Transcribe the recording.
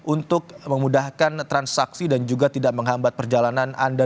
untuk memudahkan transaksi dan juga tidak menghambat perjalanan anda